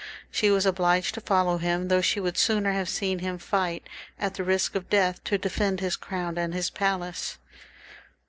She was obliged to fojlow him, though she would sooner have seen him fight, at the risk of death, to defend his crown and his palace.